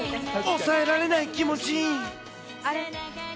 抑えられない気持ち。